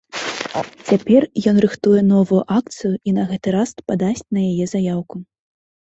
Цяпер ён рыхтуе новую акцыю і на гэты раз падасць на яе заяўку.